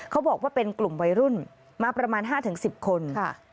เขาบอกว่าเป็นกลุ่มวัยรุ่นมาประมาณห้าถึงสิบคนค่ะ